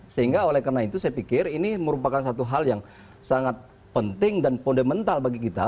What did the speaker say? sehingga oleh karena itu saya pikir ini merupakan satu hal yang sangat penting dan fundamental bagi kita